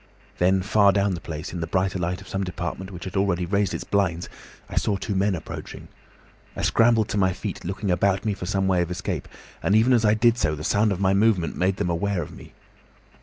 "Then far down the place, in the brighter light of some department which had already raised its blinds, I saw two men approaching. I scrambled to my feet, looking about me for some way of escape, and even as I did so the sound of my movement made them aware of me.